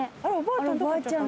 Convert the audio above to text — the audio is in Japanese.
おばあちゃん